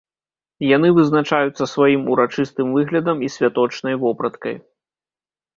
Яны вызначаюцца сваім урачыстым выглядам і святочнай вопраткай.